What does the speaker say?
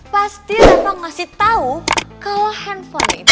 pasti reva ngasih tau kalau handphone ini